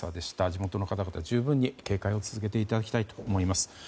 地元の方々十分に警戒を続けていただきたいと思います。